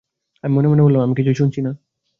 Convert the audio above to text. আমি মনেমনে বললাম, আমি কিছু শুনছি না।